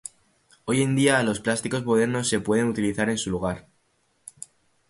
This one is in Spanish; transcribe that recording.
Hoy en día, los plásticos modernos se pueden utilizar en su lugar.